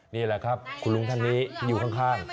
นี่แหละครับคุณลุงท่านนี้อยู่ข้าง